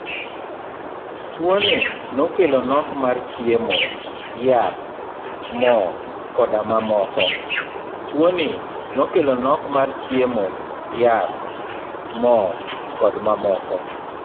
Tuo ni nokelo nok mar chiemo, yath, moo koda mamoko.